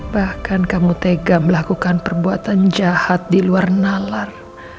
bahkan kamu tega melakukan perbuatan jahat di luar nalar